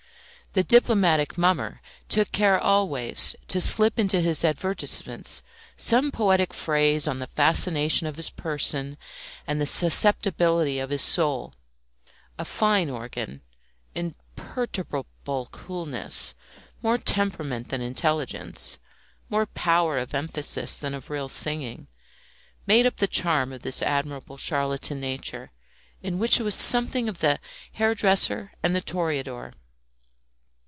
The diplomatic mummer took care always to slip into his advertisements some poetic phrase on the fascination of his person and the susceptibility of his soul. A fine organ, imperturbable coolness, more temperament than intelligence, more power of emphasis than of real singing, made up the charm of this admirable charlatan nature, in which there was something of the hairdresser and the toreador.